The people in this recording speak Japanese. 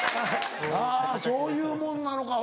あぁそういうもんなのか。